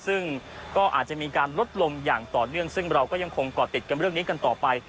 ซึ่งก็อาจจะมีการลดลงอย่างต่อเนื่องซึ่งเราก็ยังคงก่อติดกันเรื่องนี้กันต่อไป